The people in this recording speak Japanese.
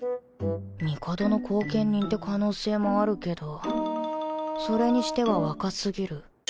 帝の後見人って可能性もあるけどそれにしては若過ぎる